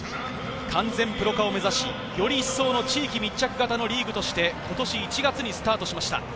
完全プロ化を目指し、より一層の地域密着型のリーグとして今年１月にスタートしました。